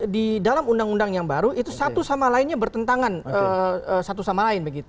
di dalam undang undang yang baru itu satu sama lainnya bertentangan satu sama lain